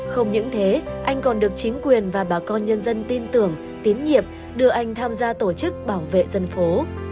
không những thế anh còn được chính quyền và bà con nhân dân tin tưởng tín nhiệm đưa anh tham gia tổ chức bảo vệ dân phố